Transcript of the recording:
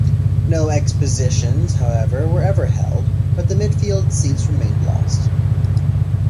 No expositions, however, were ever held, but the midfield seats remained lost.